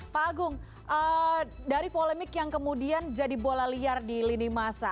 pak agung dari polemik yang kemudian jadi bola liar di lini masa